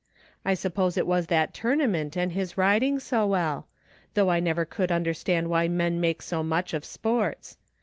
I suppose it was that tournament and his riding so well; though I never could understand why men make so much of sports.